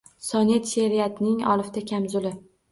Sonet – she’riyatning olifta kamzuli.